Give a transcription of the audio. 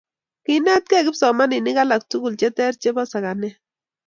kiinetgei kipsomaninik alak tuguk che ter chebo sakanet